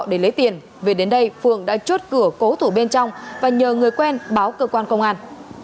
để lấy tiền về đến đây phượng đã chốt cửa cố thủ bên trong và nhờ người quen báo cơ quan công an